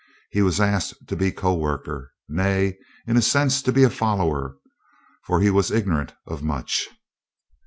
He was asked to be co worker nay, in a sense to be a follower, for he was ignorant of much.